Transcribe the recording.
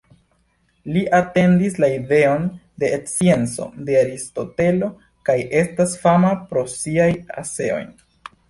Li etendis la ideon de scienco de Aristotelo kaj estas fama pro siaj eseoj.